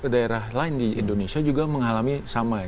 karena tiga puluh daerah lain di indonesia juga mengalami sama ya